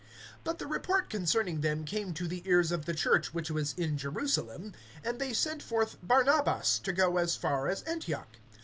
(22)But the report concerning them came to the ears of the church which was in Jerusalem; and they sent forth Barnabas, to go as far as Antioch.